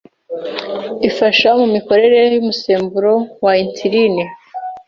ifasha mu mikorere y’umusemburo wa insuline